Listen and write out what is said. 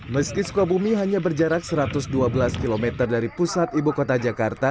meski sukabumi hanya berjarak satu ratus dua belas km dari pusat ibu kota jakarta